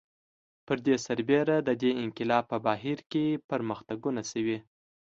پر دې سربېره د دې انقلاب په بهیر کې پرمختګونه شوي